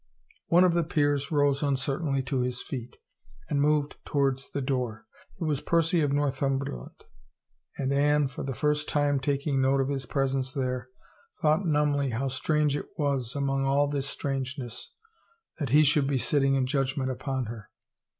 '^ One of the peers rose uncertainly to his feet and moved towards the door. It was Percy of Northumberland, and Anne, for the first time taking note of his presence there, thought numbly how strange it was, among all this strangeness, that he should be sitting in judgment upon her.